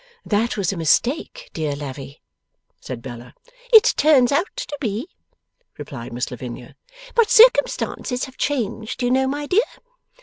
'That was a mistake, dear Lavvy,' said Bella. 'It turns out to be,' replied Miss Lavinia; 'but circumstances have changed, you know, my dear.